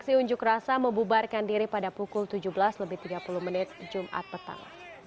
aksi unjuk rasa membubarkan diri pada pukul tujuh belas lebih tiga puluh menit jumat petang